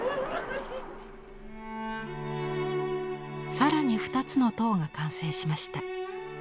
更に２つの塔が完成しました。